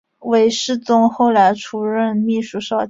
韦士宗后来出任秘书少监。